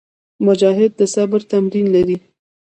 مجاهد د صبر تمرین لري.